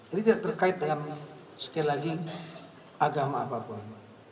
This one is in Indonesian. ini tidak terkait dengan sekali lagi agama apapun